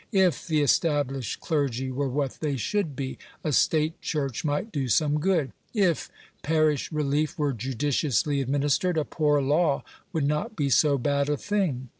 If the established clergy were what they should be, a state church might do some good. If parish relief were judiciously administered, a poor law would not be so bad a thing.